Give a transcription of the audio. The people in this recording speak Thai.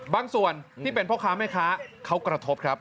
ส่วนที่เป็นพ่อค้าแม่ค้าเขากระทบครับ